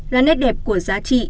là nét đẹp của giá trị